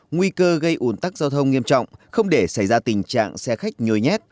nguy cơ gây ổn tắc giao thông nghiêm trọng không để xảy ra tình trạng xe khách nhôi nhét